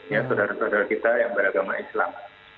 ya saudara saudara kita yang beragama islam